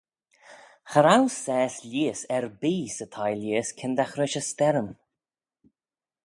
Cha row saase lheihys erbee 'sy thie-lhiehys kyndagh rish y sterrym.